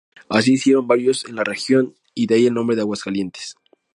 Así hicieron varios en la región y de ahí el nombre de Aguascalientes.